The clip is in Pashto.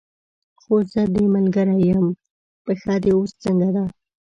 خو زه دې ملګرې یم، پښه دې اوس څنګه ده؟